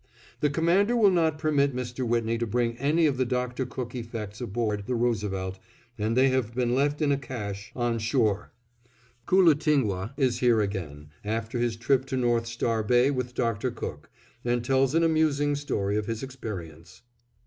"The Commander will not permit Mr. Whitney to bring any of the Dr. Cook effects aboard the Roosevelt and they have been left in a cache on shore. Koolootingwah is here again, after his trip to North Star Bay with Dr. Cook, and tells an amusing story of his experience."